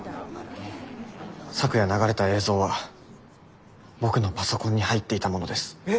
昨夜流れた映像は僕のパソコンに入っていたものです。え！？